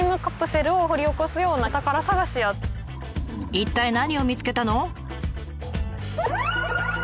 一体何を見つけたの？